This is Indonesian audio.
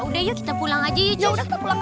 udah yuk kita pulang aja yuk